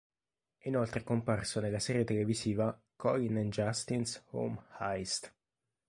È inoltre comparso nella serie televisiva "Colin and Justin's Home Heist".